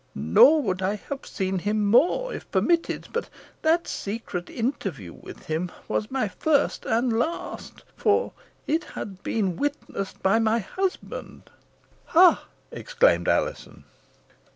Nor would I have seen him more, if permitted; but that secret interview with him was my first and last; for it had been witnessed by my husband." "Ha!" exclaimed Alizon.